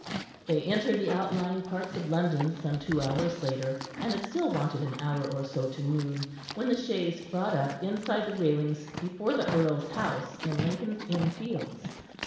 They entered the outlying parts of London some two hours later, and it still wanted an hour or so to noon when the chaise brought up inside the railings before the earl's house in Lincoln's Inn Fields.